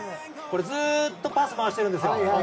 これ、ずっとパスを回しているんです。